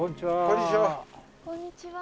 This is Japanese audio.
こんにちは。